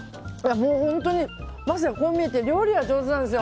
本当に、桝谷はこう見えて料理は上手なんですよ。